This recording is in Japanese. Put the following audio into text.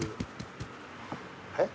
えっ？